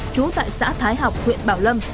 chú tại xã thái học huyện bảo lâm